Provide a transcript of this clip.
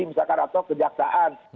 misalkan atau kejaksaan